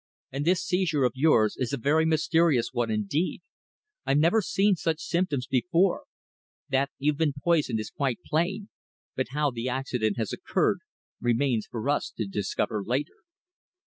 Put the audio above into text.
"And this seizure of yours is a very mysterious one indeed. I've never seen such symptoms before. That you've been poisoned is quite plain, but how the accident has occurred remains for us to discover later."